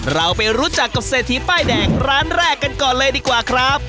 เราไปรู้จักกับเศรษฐีป้ายแดงร้านแรกกันก่อนเลยดีกว่าครับ